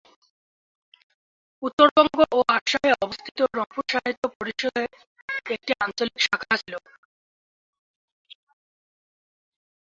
উত্তরবঙ্গ ও আসামে অবস্থিত রংপুর সাহিত্য পরিষদের একটি আঞ্চলিক শাখা ছিল।